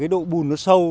độ bùn sâu